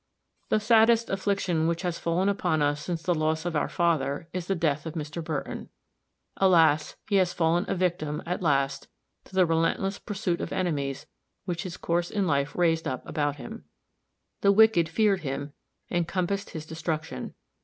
The saddest affliction which has fallen upon us since the loss of our father, is the death of Mr. Burton. Alas! he has fallen a victim, at last, to the relentless pursuit of enemies which his course in life raised up about him. The wicked feared him, and compassed his destruction.